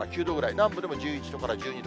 南部でも１１度から１２度。